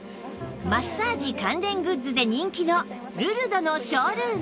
マッサージ関連グッズで人気のルルドのショールーム